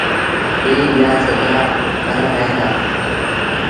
ائيٚݩ ٻيٚآ ڇوڪرآ پڙوهيݩ دآ۔